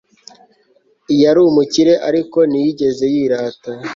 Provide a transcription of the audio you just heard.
yari umukire, ariko ntiyigeze yirata